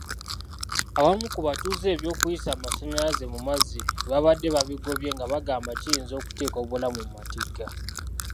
Abamu ku batuuze eby'okuyisa amasannyalaze mumazzi baabadde babigobye nga bagamba kiyinza okuteeka obulamu mu matigga.